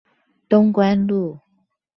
東關路